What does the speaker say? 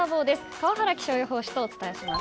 川原気象予報士とお伝えします。